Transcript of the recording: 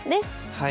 はい。